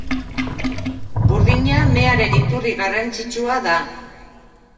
Burdina mearen iturri garrantzitsua da.